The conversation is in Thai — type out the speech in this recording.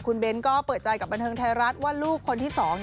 คุณเบ้นก็เปิดใจกับบันเทิงไทยรัฐว่าลูกคนที่๒